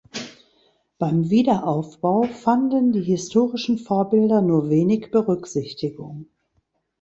Beim Wiederaufbau fanden die historischen Vorbilder nur wenig Berücksichtigung.